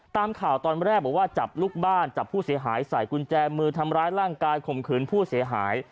ตามข่าวตอนแรกบอกว่าจับลูกบ้านจับผู้เสียหายใส่กุญแจมือทำร้ายร่างกายข่มขืนผู้เสียหาย